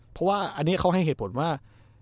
เพราะว่าอันนี้เขาให้เหตุผลว่า